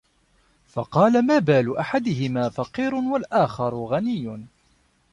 فَقَالَ مَا بَالُ أَحَدِهِمَا فَقِيرٌ وَالْآخَرِ غَنِيٌّ